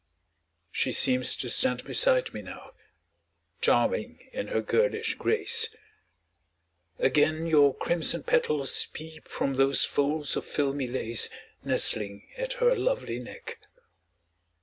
She seems to stand beside me now, Charming in her girlish grace; Again your crimson petals peep From those folds of filmy lace Nestling at her lovely neck.